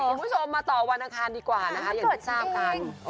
คุณผู้ชมมาต่อวันอังคารดีกว่านะคะอย่างที่ทราบกัน